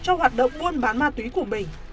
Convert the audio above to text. cho hoạt động muôn bán ma túy của mình